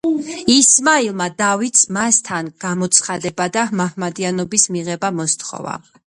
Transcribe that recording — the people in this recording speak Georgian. ისმაილმა დავითს მასთან გამოცხადება და მაჰმადიანობის მიღება მოსთხოვა.